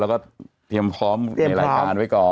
แล้วก็เตรียมพร้อมในรายการไว้ก่อน